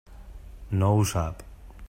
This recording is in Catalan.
No ho sap.